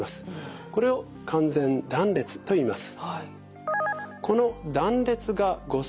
これを完全断裂といいます。